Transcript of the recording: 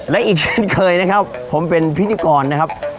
และอีกเช่นเคยนะครับผมเป็นพิธีกรนะครับ